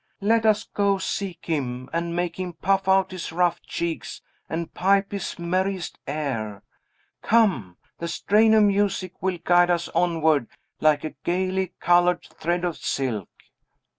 Let us go seek him, and make him puff out his rough cheeks and pipe his merriest air! Come; the strain of music will guide us onward like a gayly colored thread of silk."